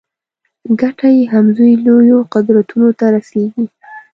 ګټه یې همدوی لویو قدرتونو ته رسېږي.